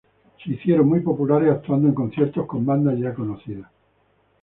Se hicieron muy populares, actuando en conciertos con bandas ya conocidas.